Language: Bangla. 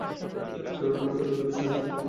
সবাই কান্নাকাটি করছিস কেন?